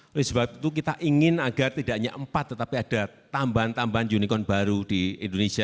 oleh sebab itu kita ingin agar tidak hanya empat tetapi ada tambahan tambahan unicorn baru di indonesia